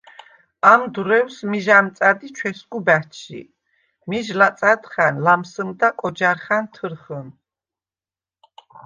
ამ დვრო̈ვს მიჟ ა̈მწა̈დ ი ჩვესგუ ბა̈ჩჟი. მიჟ ლაწა̈დხა̈ნ ლამსჷმდა კოჯა̈რხა̈ნ თჷრხჷნ;